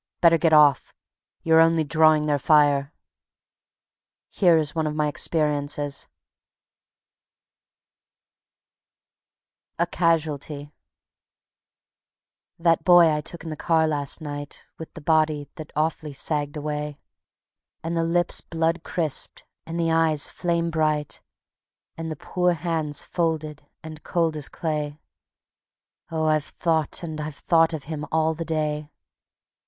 Better get off. You're only drawing their fire." Here is one of my experiences: A Casualty That boy I took in the car last night, With the body that awfully sagged away, And the lips blood crisped, and the eyes flame bright, And the poor hands folded and cold as clay Oh, I've thought and I've thought of him all the day.